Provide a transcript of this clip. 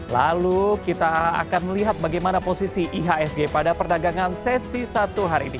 lalu kita akan melihat bagaimana posisi ihsg pada perdagangan sesi satu hari ini